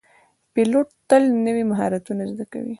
پیلوټ تل نوي مهارتونه زده کوي.